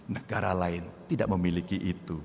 negara lain tidak memiliki itu